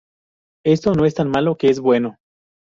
Esto no es tan malo que es bueno.